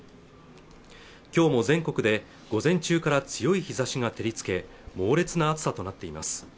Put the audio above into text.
今日も全国で午前中から強い日差しが照りつけ猛烈な暑さとなっています